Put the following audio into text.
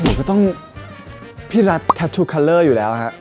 พี่ก็ต้องพี่รัดแคททูคัลเลอร์อยู่แล้วนะครับ